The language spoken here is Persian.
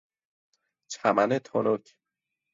چمن تنک